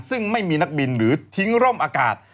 ซึ่งไม่มีนักบินหรือทิ้งร่มอากาศ